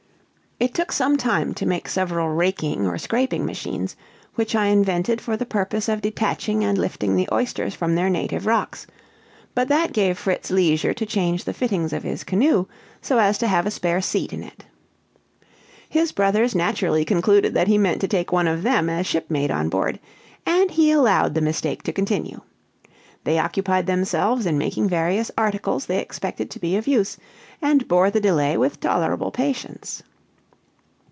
It took some time to make several raking or scraping machines, which I invented for the purpose of detaching and lifting the oysters from their native rocks; but that gave Fritz leisure to change the fittings of his canoe, so as to have a spare seat in it. His brothers naturally concluded he meant to take one of them as shipmate on board, and he allowed the mistake to continue. They occupied themselves in making various articles they expected to be of use, and bore the delay with tolerable patience.